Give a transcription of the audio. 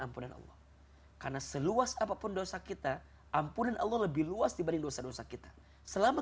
ampunan allah karena seluas apapun dosa kita ampunan allah lebih luas dibanding dosa dosa kita selama